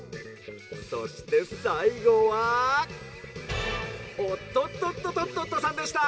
そしてさいごはおっとっとっととっとっとさんでした。